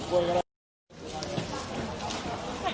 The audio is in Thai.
สวัสดีทุกคน